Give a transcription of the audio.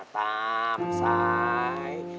ตามซ้าย